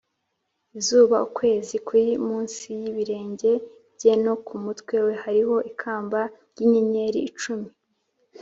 Izuba ukwezi kuri munsi y ibirenge bye no ku mutwe we hariho ikamba ry inyenyeri cumi